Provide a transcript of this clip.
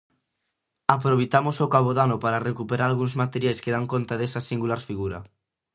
Aproveitamos o cabodano para recuperar algúns materiais que dan conta desa singular figura.